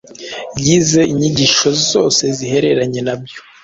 Yize inyigisho zose zihereranye na byo